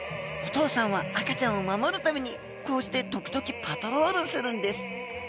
お父さんは赤ちゃんを守るためにこうして時々パトロールするんです。